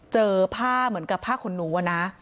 เจอผ้าเหมือนกับผ้าขนหนูอะนะ